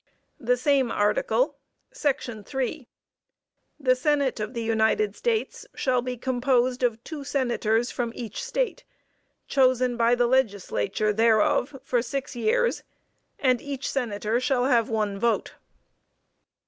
The same Article, Section 3, "The Senate of the United States shall be composed of two senators from each State, chosen by the legislature thereof for six years; and each senator shall have one vote."